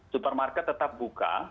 supermarket tetap buka